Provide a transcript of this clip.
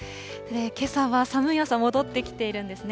けさは寒い朝、戻ってきているんですね。